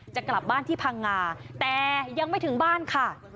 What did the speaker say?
จะกลับบ้านที่พังงาแต่ยังไม่ถึงบ้านค่ะ